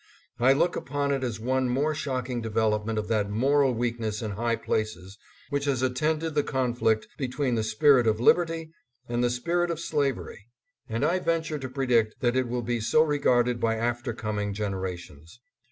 I look upon it as one more shock ing development of that moral weakness in high places which has attended the conflict between the spirit of liberty and the spirit of slavery, and I venture to pre dict that it will be so regarded by afterconiing genera tions.